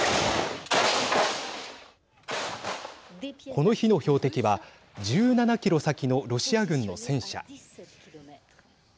この日の標的は１７キロ先のロシア軍の戦車。